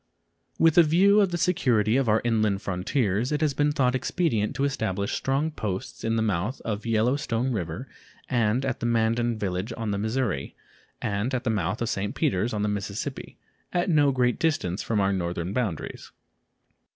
With a view to the security of our inland frontiers, it has been thought expedient to establish strong posts at the mouth of Yellow Stone River and at the Mandan village on the Missouri, and at the mouth of St. Peters on the Mississippi, at no great distance from our northern boundaries.